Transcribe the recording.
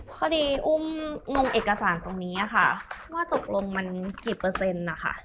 พอดีอุ้มงงเอกสารตรงนี้ค่ะว่าตกลงมันกี่เปอร์เซ็นต์นะคะ